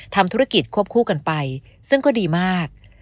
ทำธุรกิจควบคู่กันไปซึ่งก็ดีมาก